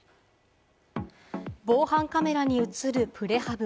防犯カメラに映るプレハブ。